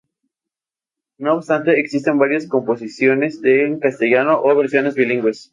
No obstante, existen varias composiciones en castellano, o versiones bilingües.